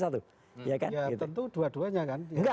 ya tentu dua duanya kan